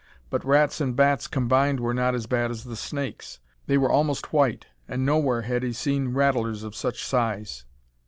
But rats and bats combined were not as bad as the snakes. They were almost white, and nowhere had he seen rattlers of such size.